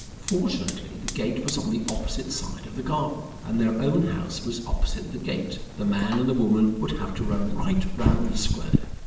Fortunately, the gate was on the opposite side of the garden, and their own house was opposite the gate. The man and the woman would have to run right round the Square.